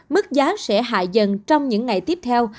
mức giá sẽ hạ dần trong những ngày tiếp theo